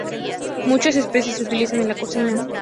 Muchas especies se utilizan en la cocina.